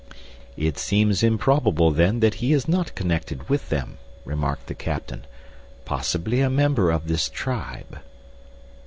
"It seems improbable then that he is not connected with them," remarked the captain; "possibly a member of this tribe."